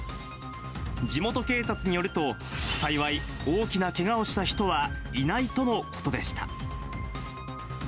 地元警察によると、幸い、大きなけがをした人はいないとのことでした。